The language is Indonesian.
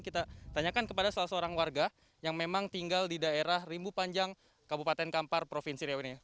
kita tanyakan kepada salah seorang warga yang memang tinggal di daerah rimbu panjang kabupaten kampar provinsi riau ini